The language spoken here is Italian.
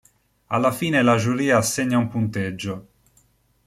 Alla fine la giuria assegna un punteggio.